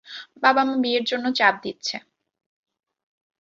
বাবা মা বিয়ের জন্যে চাপ দিচ্ছে।